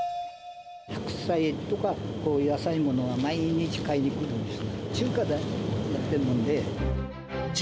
白菜とか、こういう野菜物は毎日買いに来るんです。